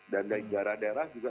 dan dari daerah daerah juga